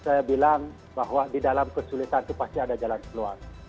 jadi saya bilang bahwa di dalam kesulitan itu pasti ada jalan keluar